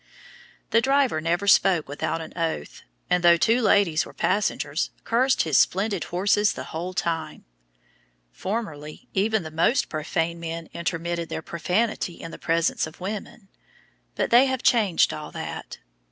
The driver never spoke without an oath, and though two ladies were passengers, cursed his splendid horses the whole time. Formerly, even the most profane men intermitted their profanity in the presence of women, but they "have changed all that."